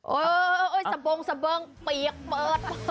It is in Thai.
โอ๊ยสะเบิงเปียกเปิด